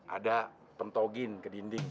ada pentogin ke dinding